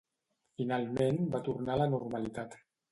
Finalment va tornar a la normalitat.